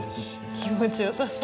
気持ちよさそう。